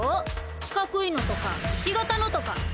四角いのとかひし形のとか。